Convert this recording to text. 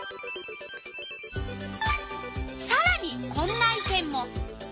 さらにこんな意見も。